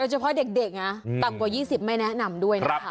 เฉพาะเด็กนะต่ำกว่า๒๐ไม่แนะนำด้วยนะคะ